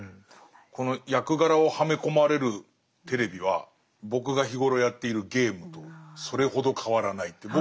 この役柄をはめ込まれるテレビは僕が日頃やっているゲームとそれほど変わらないっていう。